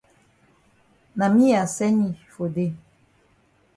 Na me I send yi for dey.